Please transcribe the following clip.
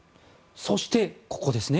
そして、ここですね。